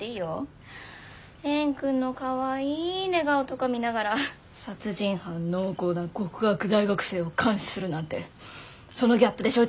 蓮くんのかわいい寝顔とか見ながら殺人犯濃厚な極悪大学生を監視するなんてそのギャップで焼酎３杯はいけるから。